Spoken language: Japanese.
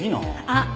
あっ！